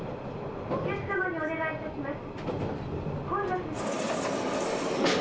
お客様にお願い致します。